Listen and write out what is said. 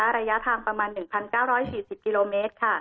ระยะทางประมาณ๑๙๔๐กิโลเมตรค่ะ